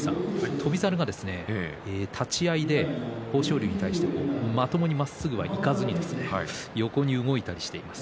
翔猿が立ち合いで豊昇龍に対してまともに、まっすぐにはいかずに横に動いたりしています。